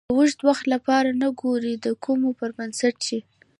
د اوږد وخت لپاره نه ګورئ د کومو پر بنسټ چې